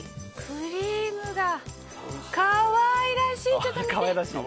クリームが可愛らしい。